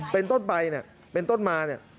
เป็นต้นใบเป็นต้นมา